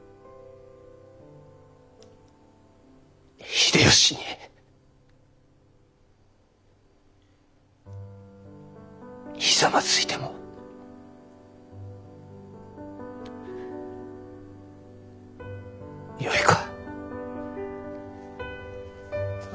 秀吉にひざまずいてもよいか？